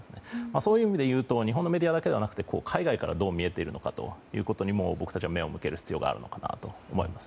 そういう意味で言うと日本のメディアだけではなくて海外からどう見えているのかということにも僕たちは目を向ける必要があるのかなと思います。